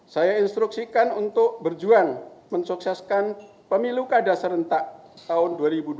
saya instruksikan untuk berjuang mensukseskan pemilu kada serentak tahun dua ribu dua puluh